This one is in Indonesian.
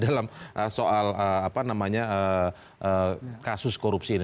dalam soal kasus korupsi ini